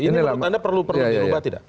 ini menurut anda perlu dirubah tidak